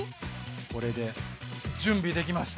これで準備できました！